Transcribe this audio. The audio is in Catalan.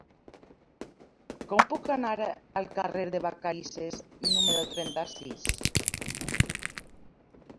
Com puc anar al carrer de Vacarisses número trenta-sis?